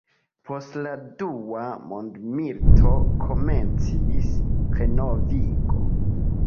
Post la dua mondmilito komencis renovigo de la malsanulejo.